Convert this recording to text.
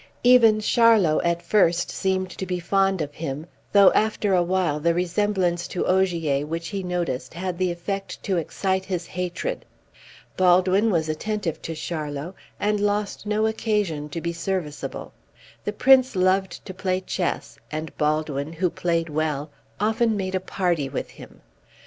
Even Charlot at first seemed to be fond of him, though after a while the resemblance to Ogier which he noticed had the effect to excite his hatred. Baldwin was attentive to Charlot, and lost no occasion to be serviceable. The Prince loved to play chess, and Baldwin, who played well, often made a party with him.